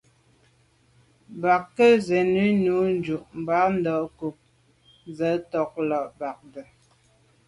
Bə̌k rə̌ zə̂nù nə́ jú’ mbā bɑ̀ cú cɛ̌d ntɔ́k lá bɑdə̂.